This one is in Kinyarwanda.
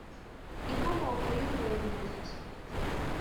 Inkomoko yumuntu